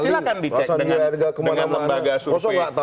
silahkan dicek dengan lembaga sufi